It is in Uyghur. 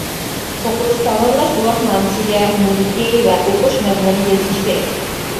ئوقۇش تاماملاش گۇۋاھنامىسىگە مۇددىتى ۋە ئوقۇش مەزمۇنى يېزىلىشى كېرەك.